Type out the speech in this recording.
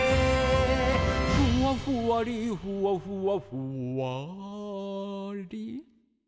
「ふわふわりふわふわふわり」